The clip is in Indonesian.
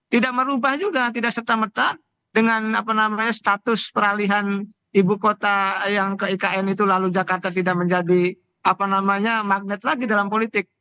tidak merubah juga tidak serta merta dengan status peralihan ibu kota yang ke ikn itu lalu jakarta tidak menjadi magnet lagi dalam politik